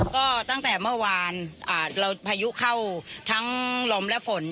ก็ตั้งแต่เมื่อวานเราพายุเข้าทั้งลมและฝน